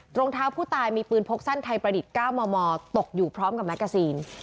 รองเท้าผู้ตายมีปืนพกสั้นไทยประดิษฐ์๙มมตกอยู่พร้อมกับแมกกาซีน